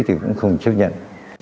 thì cũng không chấp nhận